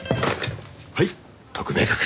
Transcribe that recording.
はい特命係。